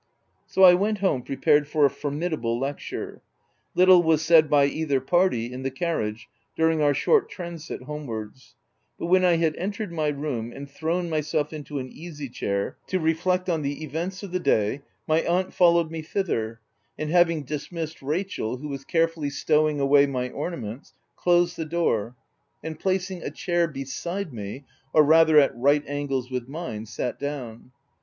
'* So I went home prepared for a formidable lecture. Little was said by either party in the carriage during our short transit homewards ; but when I had entered my room and thrown myself into an easy chair to reflect on the events of the day, my aunt followed me thither, and having dismissed Rachel, who was care fully stowing away my ornaments, closed the door ; and placing a chair beside me, or rather at right angles with mine, sat down.